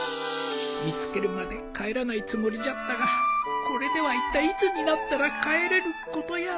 見つけるまで帰らないつもりじゃったがこれではいったいいつになったら帰れることやら